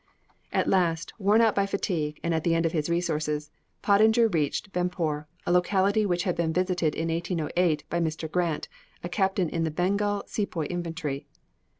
At last, worn out by fatigue, and at the end of his resources, Pottinger reached Benpor, a locality which had been visited in 1808 by Mr. Grant, a captain in the Bengal Sepoy Infantry.